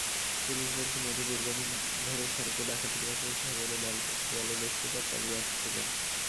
Police বলছে, মধু দীর্ঘদিন ধরে সড়কে ডাকাতির পাশাপাশি সাগরে জলদস্যুতা চালিয়ে আসছিলেন।